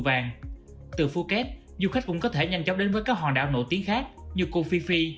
vàng từ phuket du khách cũng có thể nhanh chóng đến với các hòn đảo nổi tiếng khác như co phi phi